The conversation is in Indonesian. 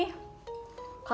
katanya po tati gak mau